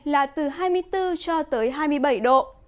là từ hai mươi bốn cho tới hai mươi bảy độ